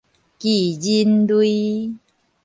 巨人類